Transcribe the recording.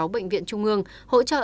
một mươi sáu bệnh viện trung ương hỗ trợ